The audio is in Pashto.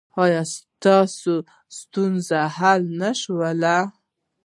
ایا ستاسو ستونزې حل نه شوې؟